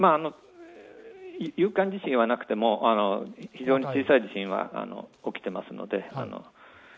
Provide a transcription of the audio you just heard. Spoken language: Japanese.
有感地震はなくても、非常に小さい地震は起きています。